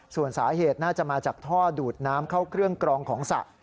ส่วนสาเหตุน่าจะมาจากท่อดูดน้ำเข้าเครื่องกรองของสระ